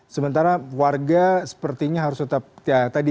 sementara warga sepertinya harus tetap ya tadi ya para calon ya